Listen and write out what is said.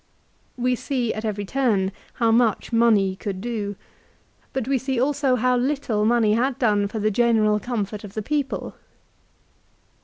We see at every turn how much money could do, but we see also how little money had done for the general comfort of the people.